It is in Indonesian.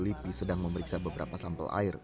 lipi sedang memeriksa beberapa sampel air